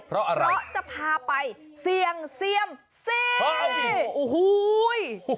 เพราะอะไรเพราะจะพาไปเสี่ยงเซียมซีโอ้โห